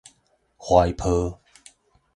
懷抱